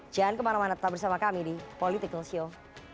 jangan kemana mana tetap bersama kami di political show